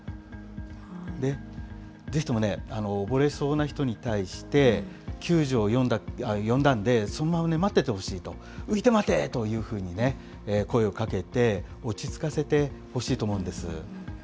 ぜひとも溺れそうな人に対して、救助を呼んだんで、そのまま待っててほしいと、ういてまてというふうに声をかけて、落ち着かせてほしいと思うんです。